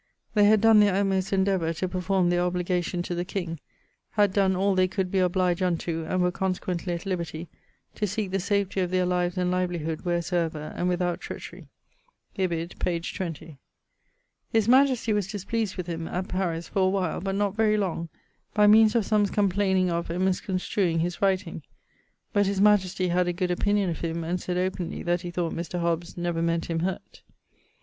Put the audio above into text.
They had done their utmost endeavour to performe their obligation to the king, had done all they could be obliged unto; and were consequently at liberty to seeke the safety of their lives and livelihood wheresoever, and without treachery.' p. 20. 'His majestie was displeased with him' (at Paris) 'for a while, but not very long, by means of some's complayning of and misconstruing his writing. But his majestie had a good opinion of him, and sayd openly that he thought Mr. Hobbes never meant him hurt.'